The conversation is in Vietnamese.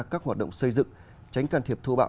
các hoạt động xây dựng tránh can thiệp thô bạo